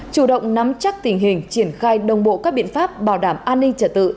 chủ động nắm chắc tình hình triển khai đồng bộ các biện pháp bảo đảm an ninh trật tự